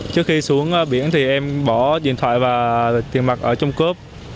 trước khi xuống biển thì em bỏ điện thoại và tiền mặt ở trong cốp